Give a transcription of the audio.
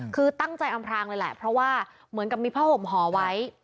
คือตั้งใจอำพรางเลยแหละเพราะว่าเหมือนกับมีผ้าห่มห่อไว้